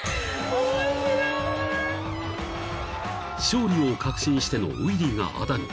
［勝利を確信してのウィリーがあだに］